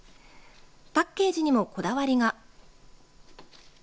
パッケージにもこだわりが。